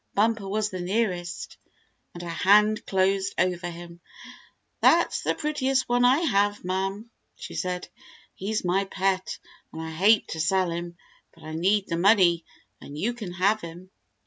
Bumper was the nearest, and her hand closed over him. "That's the prettiest one I have, ma'm," she said. "He's my pet, an' I hate to sell him, but I need the money an' you can have him."